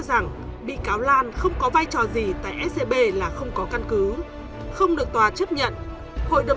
rằng bị cáo lan không có vai trò gì tại scb là không có căn cứ không được tòa chấp nhận hội đồng